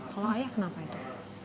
kalau ayah kenapa itu